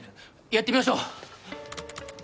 やってみましょう！